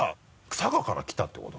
佐賀から来たってこと？